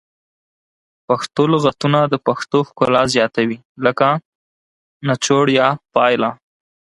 پښتو لغتونه د پښتو ښکلا زیاتوي لکه نچوړ یا پایله